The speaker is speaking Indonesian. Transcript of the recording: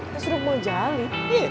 nasi uduk pang jali